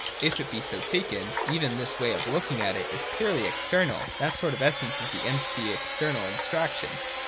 If it be so taken, even this way of looking at it is purely external, and that sort of essence is the empty external abstraction.